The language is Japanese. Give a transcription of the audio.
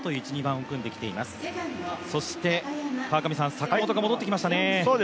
坂本が戻ってきましたね。